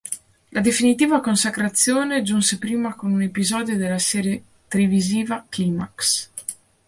La definitiva consacrazione giunse prima con un episodio della serie televisiva "Climax!